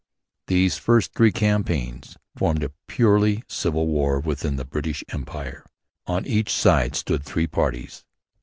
These first three campaigns formed a purely civil war within the British Empire. On each side stood three parties.